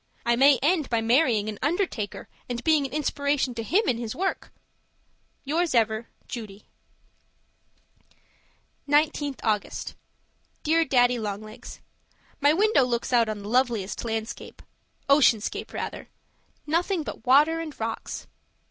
I may end by marrying an undertaker and being an inspiration to him in his work. Yours ever, Judy 19th August Dear Daddy Long Legs, My window looks out on the loveliest landscape ocean scape, rather nothing but water and rocks.